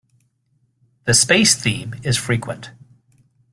The space theme is frequent.